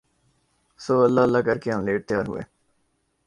سو اللہ اللہ کر کے آملیٹ تیار ہوئے